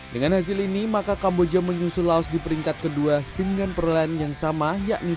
dengan hasil ini maka kamboja menyusul laos di peringkat kedua dengan perlahan yang sama